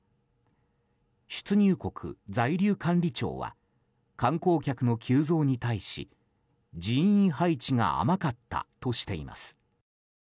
出入国在留管理庁は観光客の急増に対し人員配置が甘かったとしています。